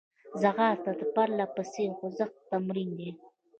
ځغاسته د پرلهپسې خوځښت تمرین دی